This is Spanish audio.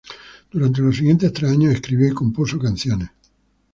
Durante los siguientes tres años escribió y compuso canciones.